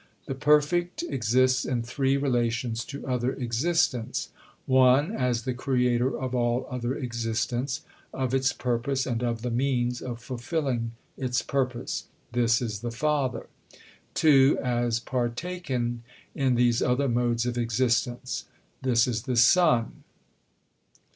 "The Perfect exists in three relations to other existence: (1) As the Creator of all other existence, of its purpose, and of the means of fulfilling its purpose. This is the Father. (2) As partaken in these other modes of existence. This is the Son.